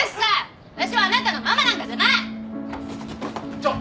ちょっ。